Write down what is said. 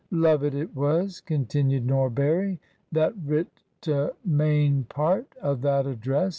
"Lovett it was," continued Norbury, "that writ t' main part o' that address.